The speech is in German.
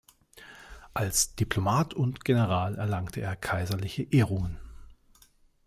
Als Diplomat und General erlangte er kaiserliche Ehrungen.